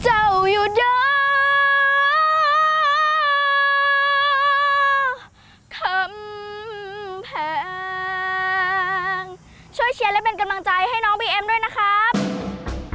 ช่วยเชียร์และเป็นกำลังใจให้น้องบีเอ็มด้วยนะครับ